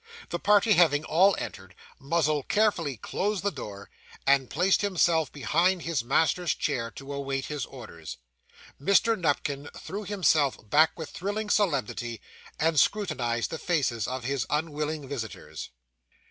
The party having all entered, Muzzle carefully closed the door, and placed himself behind his master's chair to await his orders. Mr. Nupkins threw himself back with thrilling solemnity, and scrutinised the faces of his unwilling visitors.